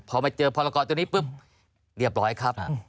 พอมาเจอพรกรตัวนี้ปุ๊บเรียบร้อยครับ